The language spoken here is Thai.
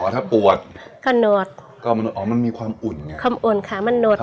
ถ้าปวดก็หนดก็มันอ๋อมันมีความอุ่นไงความอุ่นขามันหด